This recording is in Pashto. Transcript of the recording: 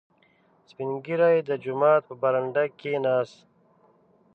• سپین ږیری د جومات په برنډه کښېناست.